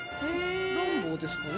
ランボーですかね？